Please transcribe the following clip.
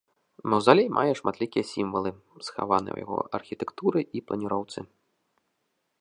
Маўзалей мае шматлікія сімвалы, схаваныя ў яго архітэктуры і планіроўцы.